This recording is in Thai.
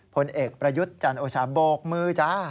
ผลเอกประยุทธ์จันโอชาโบกมือจ้า